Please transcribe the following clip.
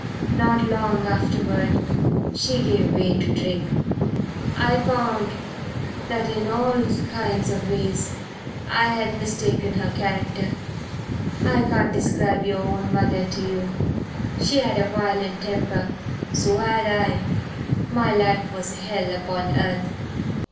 Not long afterward she gave way to drink. I found that in all kinds of ways I had mistaken her character. I can't describe your own mother to you. She had a violent temper. So had I. My life was a hell upon earth.